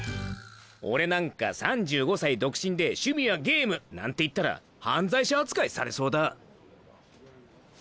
俺なんか３５歳独身で趣味はゲームなんて言ったら犯罪者扱いされそうだ。